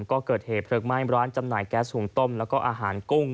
ก็เกิดเหตุเพลิงไหม้ร้านจำหน่ายแก๊สหุงต้มแล้วก็อาหารกุ้ง